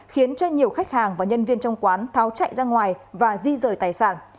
khiến cho nhiều khách hàng và nhân viên trong quán tháo chạy ra ngoài và di rời tài sản